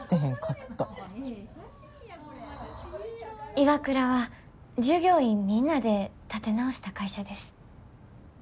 ＩＷＡＫＵＲＡは従業員みんなで立て直した会社です。